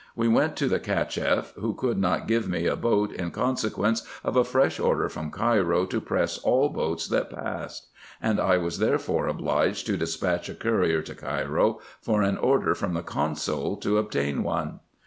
We went to the Cacheff, who could not give me a boat, in conse quence of a fresh order from Cairo to press all boats that passed ; and I was therefore obliged to despatch a courier to Cairo, for an order from the Consul to obtain one.